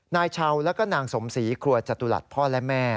นายชาวแล้วก็นางสมศรีครัวจตุรัสพ่อและแม่